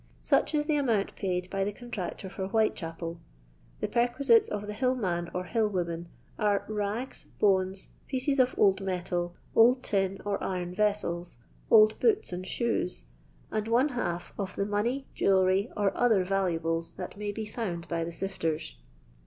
Such is the amount paid by the contractor for Whitechapel. The perquisites of the hill man or hill woman, are rags, bones, pieces of old metal, old tin or iron vessels, old booto and shoes, and one half of the money, jewellery, or other valuables that may be found by the sifters.